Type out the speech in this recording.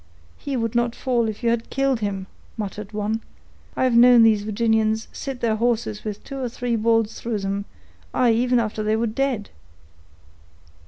"He would not fall if you had killed him," muttered one. "I've known these Virginians sit their horses with two or three balls through them; aye, even after they were dead."